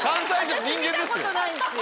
私見たことないんですよ。